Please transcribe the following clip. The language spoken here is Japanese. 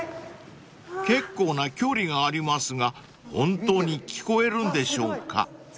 ［結構な距離がありますが本当に聞こえるんでしょうか？］